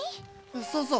そうそう。